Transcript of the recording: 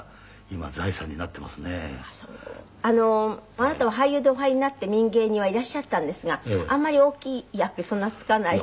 あなたは俳優でお入りになって民藝にはいらっしゃったんですがあんまり大きい役そんな付かないって。